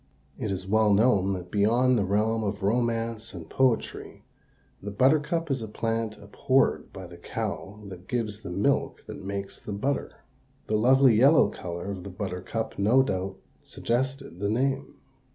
It is well known that beyond the realm of romance and poetry the buttercup is a plant abhorred by the cow that gives the milk that makes the butter. The lovely yellow color of the buttercup no doubt suggested the name.